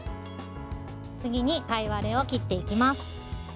次に、かいわれを切っていきます。